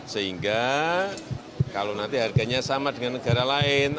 sehingga kalau nanti harganya sama dengan negara lain